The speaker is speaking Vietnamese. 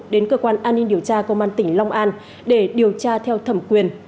đến cơ quan an ninh điều tra công an tỉnh long an để điều tra theo thẩm quyền